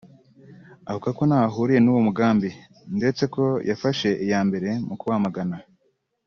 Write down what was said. avuga ko ntaho ahuriye n’uwo mugambi ndetse ko yafashe iya mbere mu kuwamagana